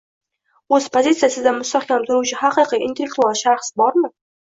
o‘z pozitsiyasida mustahkam turuvchi haqiqiy intellektual shaxs bormi?